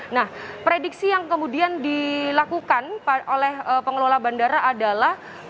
nah prediksi yang kemudian dilakukan oleh pengelola bandara adalah